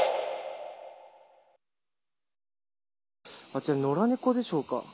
あちら野良猫でしょうか。